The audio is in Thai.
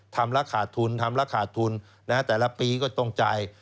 ทำละขาดทุนทำละขาดทุนแต่ละปีก็ต้องจ่าย